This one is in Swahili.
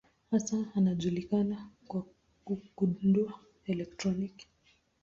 Hasa anajulikana kwa kugundua elektroni.